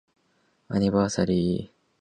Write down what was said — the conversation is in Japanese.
アニバーサリー